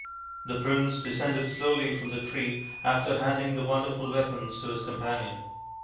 The prince descended slowly from the tree after handing the wonderful weapons to his companion.